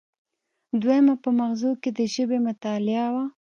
دویمه په مغزو کې د ژبې مطالعه وه